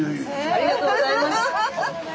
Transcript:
ありがとうございます。